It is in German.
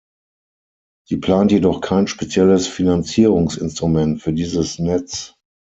Sie plant jedoch kein spezielles Finanzierungsinstrument für dieses Netz.